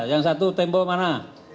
yang satu tempo mana